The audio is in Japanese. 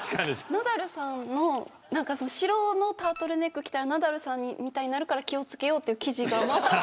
ナダルさんの白のタートルネック着たらナダルさんみたいになるから気を付けようという記事が話題になってて。